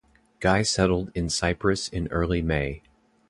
Guy settled in Cyprus in early May.